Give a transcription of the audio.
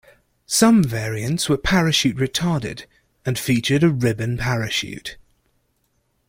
Some variants were parachute-retarded and featured a ribbon parachute.